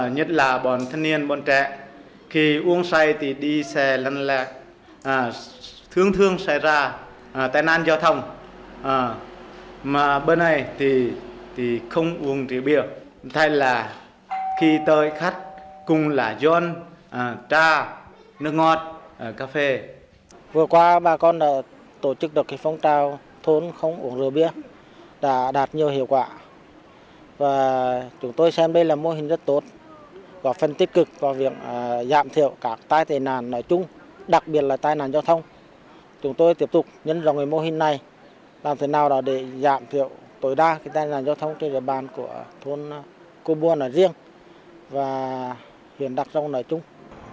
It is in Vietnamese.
chúng tôi đã tổ chức được phong trào thôn không uống rượu bia đã đạt nhiều hiệu quả và chúng tôi xem đây là mô hình rất tốt và phân tích cực vào việc giảm thiệu các tai tài nạn ở chung đặc biệt là tai nạn giao thông chúng tôi tiếp tục nhấn vào mô hình này làm thế nào để giảm thiệu tối đa tai nạn giao thông trên giới bàn của thôn cô bua nơi riêng và huyện đặc rông nơi chung